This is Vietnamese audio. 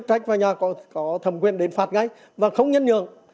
chức trách và nhà có thầm quyền đến phạt ngay và không nhấn nhường